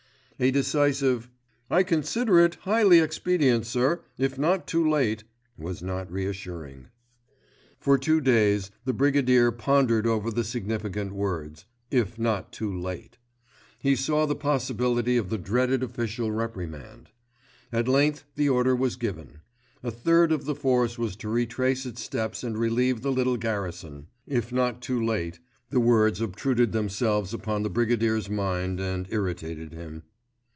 A decisive, "I consider it highly expedient, sir, if not too late," was not reassuring. For two days the Brigadier pondered over the significant words. "If not too late." He saw the possibility of the dreaded official reprimand. At length the order was given: a third of the force was to retrace its steps and relieve the little garrison, "If not too late," the words obtruded themselves upon the Brigadier's mind and irritated him.